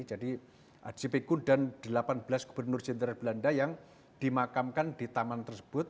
jadi j p kuhn dan delapan belas gubernur cintar belanda yang dimakamkan di taman tersebut